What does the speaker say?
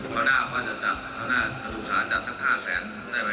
ก็น่าว่าจะจัดทุกษาจัดทั้ง๕แสนได้ไหม